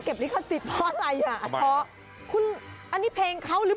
ขอบคุณค่ะ